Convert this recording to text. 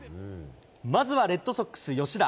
まずはレッドソックス、吉田。